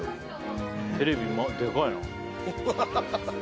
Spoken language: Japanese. テレビでかいな。